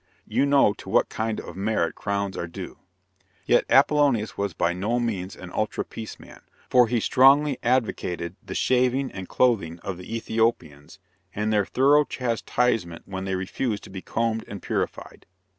You know to what kind of merit crowns are due." Yet Apollonius was by no means an ultra peace man, for he strongly advocated the shaving and clothing of the Ethiopians, and their thorough chastisement when they refused to be combed and purified.